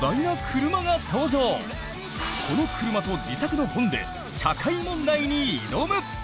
この車と自作の本で社会問題に挑む！